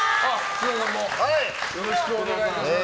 福田さんもよろしくお願いいたします。